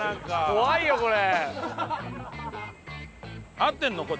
怖いよこれ。